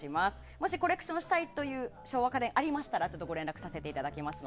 もし、コレクションしたいという昭和家電ありましたらご連絡させていただきます。